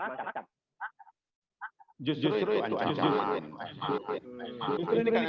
bahkan pak sonia sendiri sudah posisi tetap mendatar begitu